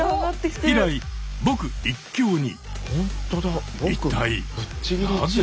以来「ぼく」一強に。